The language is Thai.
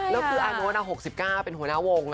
แล้วก็แน่นอน๖๙เป็นหัวหน้าวง